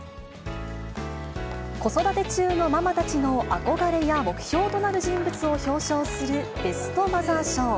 子育て中のママたちの憧れや目標となる人物を表彰するベストマザー賞。